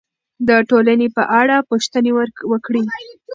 د ټولنې په اړه پوښتنې وکړئ.